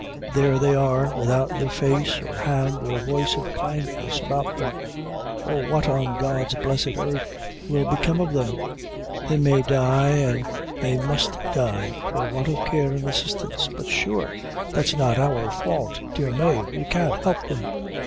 There they are, without the face, or hand, or voice of kindness about them. Oh, what on God's blessed earth will become of them? They may die an' they must die, for want of care and assistance." "But sure that's not our fault, dear Mave; we can't help them."